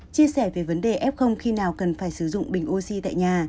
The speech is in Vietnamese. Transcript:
chia sẻ về vấn đề ép không khi nào cần phải sử dụng bình oxy tại nhà